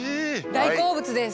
大好物です！